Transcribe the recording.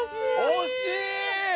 惜しい！